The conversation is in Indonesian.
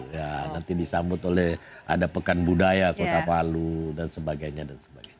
ya nanti disambut oleh ada pekan budaya kota palu dan sebagainya dan sebagainya